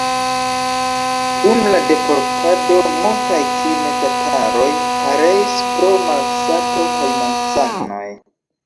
Dum la deportado multaj krime-tataroj pereis pro malsato kaj malsanoj.